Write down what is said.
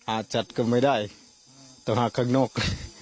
อาจจัดก็ไม่ได้ต้องหากข้างนอก